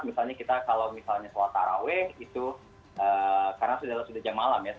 misalnya kita kalau misalnya sholat taraweh itu karena sudah jam malam ya